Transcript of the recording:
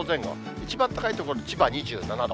一番高い所で千葉２７度。